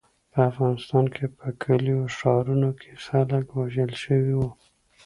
په افغانستان کې په کلیو او ښارونو کې خلک وژل شوي وو.